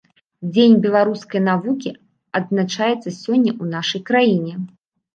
Дзень беларускай навукі адзначаецца сёння ў нашай краіне.